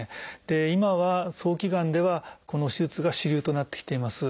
で今は早期がんではこの手術が主流となってきています。